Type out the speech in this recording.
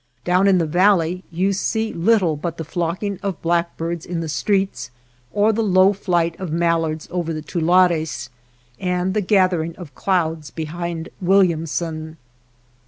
Down in the valley you see little but the flocking of blackbirds in the streets, or the low flight of mallards y over the tulares, and the gathering of clouds behind Williamson.